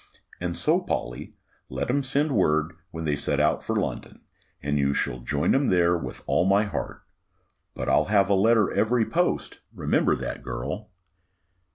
And so, Polly, let 'em send word when they set out for London, and you shall join 'em there with all my heart; but I'll have a letter every post, remember that, girl."